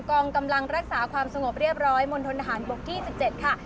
กองกำลังรักษาความสงบเรียบร้อยมณฑนทหารบกที่๑๗ค่ะ